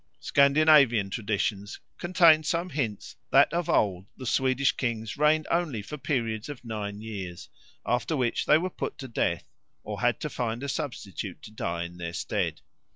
Scandinavian traditions contain some hints that of old the Swedish kings reigned only for periods of nine years, after which they were put to death or had to find a substitute to die in their stead.